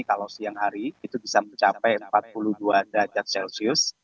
kalau siang hari itu bisa mencapai empat puluh dua derajat celcius